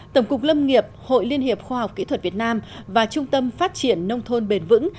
tổng cục lâm nghiệp hội liên hiệp khoa học kỹ thuật việt nam và trung tâm phát triển nông thôn bền vững